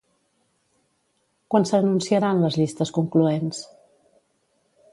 Quan s'anunciaran les llistes concloents?